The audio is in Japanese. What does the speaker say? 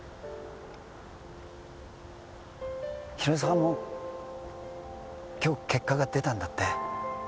広沢も今日結果が出たんだって？